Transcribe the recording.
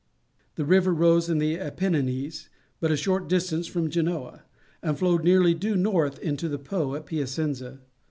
This river rose in the Apennines but a short distance from Genoa, and flowed nearly due north into the Po at Piacenza.